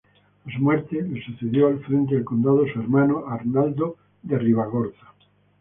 A su muerte le sucedió al frente del condado su hermano Arnaldo de Ribagorza.